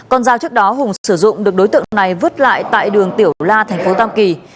con dao trước đó hùng sử dụng được đối tượng này vứt lại tại đường tiểu la thành phố tam kỳ